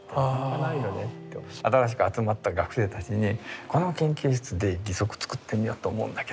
新しく集まった学生たちに「この研究室で義足作ってみようと思うんだけど」